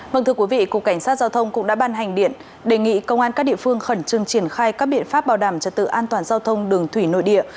vâng thưa quý vị cục cảnh sát giao thông cũng đã ban hành điện đề nghị công an các địa phương khẩn trương triển khai các biện pháp bảo đảm trật tự an toàn giao thông đường thủy nội địa